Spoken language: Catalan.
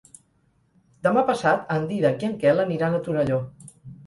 Demà passat en Dídac i en Quel aniran a Torelló.